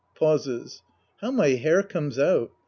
{Pauses.) How my hair comes out